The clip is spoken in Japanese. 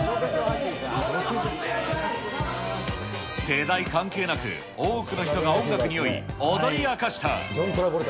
世代関係なく、多くの人が音楽に酔い、踊り明かした。